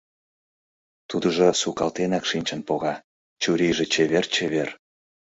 Тудыжо сукалтенак шинчын пога, чурийже чевер-чевер.